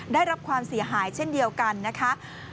ได้รับความเสียหายเช่นเดียวกันนะคะ